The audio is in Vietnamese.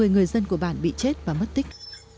một mươi người dân của bản bị chết và mất tích